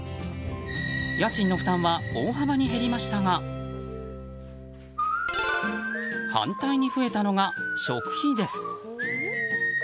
家賃の負担は大幅に減りましたが反対に増えたのが食費です。